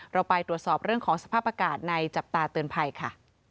เราไปตรวจสอบเรื่องของสภาพอากาศในจับตาเตือนภัยค่ะ